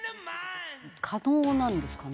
可能なんですかね？